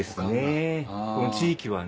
この地域はね。